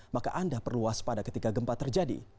maka anda perlu waspada ketika gempa terjadi